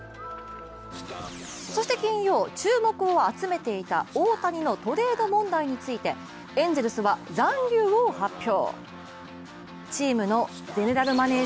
そして金曜、注目を集めていた大谷のトレード問題についてエンゼルスは、残留を発表。